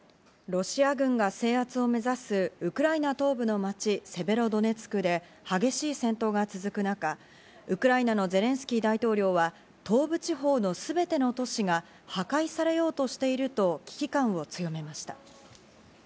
ロシア軍が制圧を目指すウクライナ東部の街セベロドネツクで、激しい戦闘が続く中、ウクライナのゼレンスキー大統領は東部地方のすべての都市が破壊されようとしていると危機感を強めました。